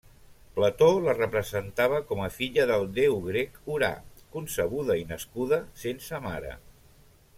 Plató la representava com a filla del déu grec Urà, concebuda i nascuda sense mare.